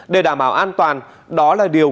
để đảm bảo an toàn đó là điều